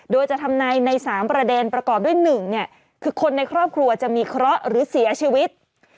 โดยจะทำในใน๓ประเด็นประกอบด้วย๑คือคนในครอบครัวจะมีเคราะห์หรือเสียชีวิต